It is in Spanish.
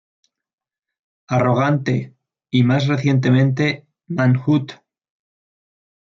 Arrogante" y más recientemente "Manhunt".